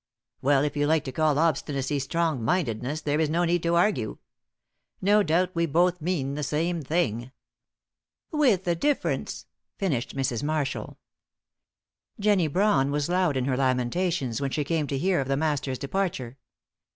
"Well, if you like to call obstinacy strongmindedness, there is no need to argue. No doubt we both mean the same thing " "With a difference," finished Mrs. Marshall. Jennie Brawn was loud in her lamentations when she came to hear of the Master's departure.